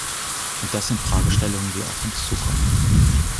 Das sind Fragestellungen, die auf uns zukommen.